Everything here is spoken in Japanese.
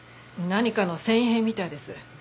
何かの繊維片みたいです。